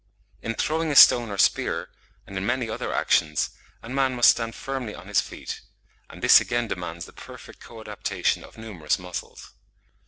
In throwing a stone or spear, and in many other actions, a man must stand firmly on his feet; and this again demands the perfect co adaptation of numerous muscles.